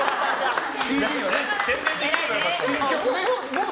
もう。